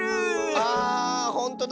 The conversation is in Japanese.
あほんとだ！